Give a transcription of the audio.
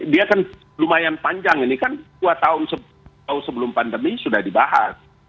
dia kan lumayan panjang ini kan dua tahun sebelum pandemi sudah dibahas